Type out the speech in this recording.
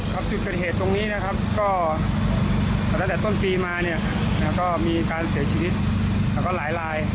จุดเกิดเหตุตรงนี้นะครับก็ตั้งแต่ต้นปีมาเนี่ยก็มีการเสียชีวิตแล้วก็หลายลาย